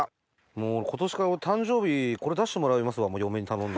今年から誕生日これ出してもらいますわ嫁に頼んで。